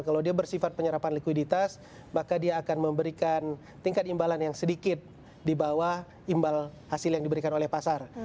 kalau dia bersifat penyerapan likuiditas maka dia akan memberikan tingkat imbalan yang sedikit di bawah imbal hasil yang diberikan oleh pasar